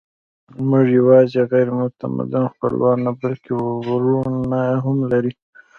موږ یواځې غیر متمدن خپلوان نه، بلکې وروڼه هم لرل.